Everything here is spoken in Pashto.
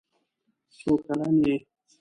څو کلن یې؟